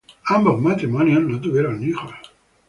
Ambos matrimonios no tuvieron hijos.